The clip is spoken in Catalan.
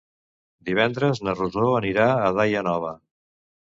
Divendres na Rosó anirà a Daia Nova.